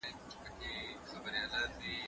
دا پاکوالی له هغه ضروري دی،